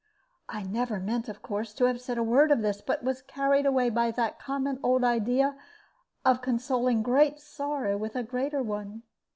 I never meant, of course, to have said a word of this, but was carried away by that common old idea of consoling great sorrow with a greater one.